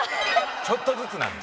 ちょっとずつなんだ。